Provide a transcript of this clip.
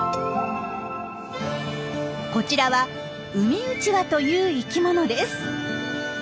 こちらはウミウチワという生きものです。